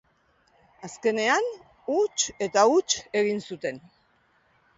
Azkenean, huts eta huts egin zuten.